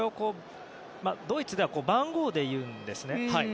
ドイツでは番号で言うんですよね。